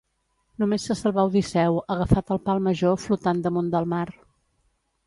Només se salvà Odisseu agafat al pal major flotant damunt del mar.